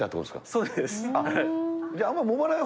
そうです。